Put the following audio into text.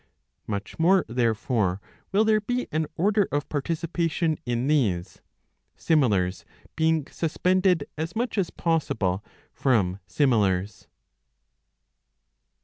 Much more, therefore, will there be an order of participation in these, similars being suspended as much as possible from similars.